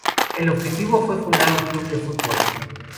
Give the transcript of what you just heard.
El objetivo fue fundar un club de fútbol.